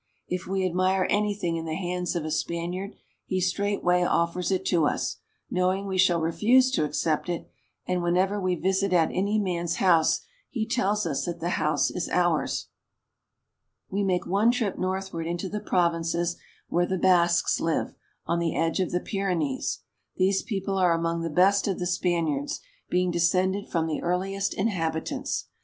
If we admire anything in the hands of a Spaniard, he straightway offers it to us, knowing we shall refuse to accept it, and whenever we visit at any man's house he tells us that the house is ours. We make one trip northward into the provinces where the Basques live, on the edge of the Pyrenees. These peo ple are among the best of the Spaniards, being descended from the earliest inhabitants.